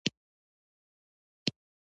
ورزش د بدن د داخلي ارګانونو کارکردګي ښه کوي.